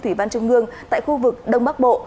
thủy văn trung ương tại khu vực đông bắc bộ